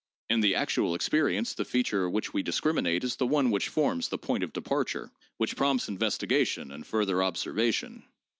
In the actual experience the feature which we discriminate is the one which forms the point of departure, which prompts investigation and further observation.